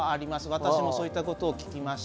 私もそういったことを聞きました。